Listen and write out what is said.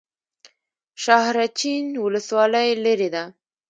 شاحرچین ولسوالۍ لیرې ده؟